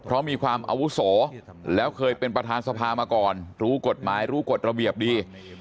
เพราะมีความอาวุโสแล้วเคยเป็นประธานสภามาก่อนรู้กฎหมายรู้กฎระเบียบดี